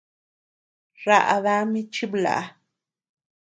Raʼa dami chiblaʼa.